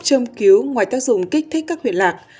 châm cứu ngoài tác dụng kích thích các huyện lạc